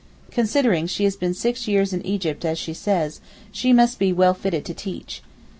Considering she has been six years in Egypt as she says, she must be well fitted to teach.